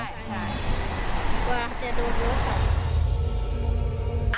ว่าดูค่ะ